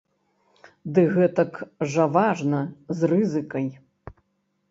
Ды гэтак жа важна, з рызыкай.